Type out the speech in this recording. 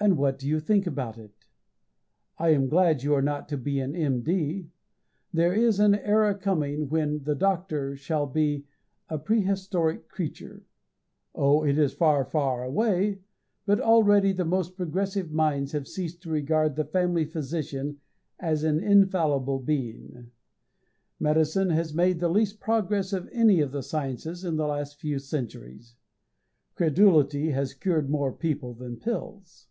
And what do I think about it? I am glad you are not to be an M.D. There is an era coming when the doctor will be a prehistoric creature. Oh, it is far, far away, but already the most progressive minds have ceased to regard the family physician as an infallible being. Medicine has made the least progress of any of the sciences in the last few centuries. Credulity has cured more people than pills.